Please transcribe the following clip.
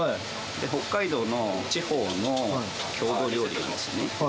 北海道の地方の郷土料理ですね。